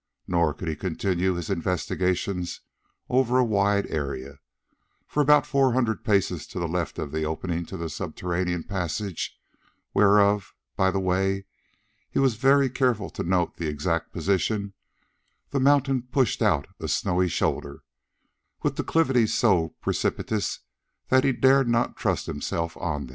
Nor could he continue his investigations over a wide area, for about four hundred paces to the left of the opening to the subterranean passage—whereof, by the way, he was very careful to note the exact position—the mountain pushed out a snowy shoulder, with declivities so precipitous that he dared not trust himself on them.